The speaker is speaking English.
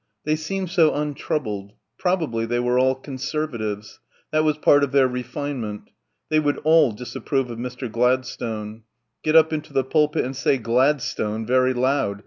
They seemed so untroubled.... Probably they were all Conservatives.... That was part of their "refinement." They would all disapprove of Mr. Gladstone.... Get up into the pulpit and say "Gladstone" very loud